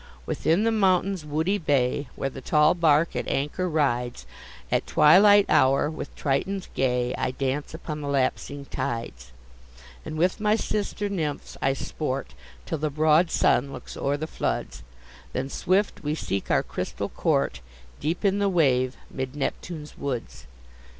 Within the mountain's woody bay, Where the tall bark at anchor rides, At twilight hour, with tritons gay, I dance upon the lapsing tides: And with my sister nymphs I sport, Till the broad sun looks o'er the floods; Then, swift we seek our crystal court, Deep in the wave, 'mid Neptune's woods.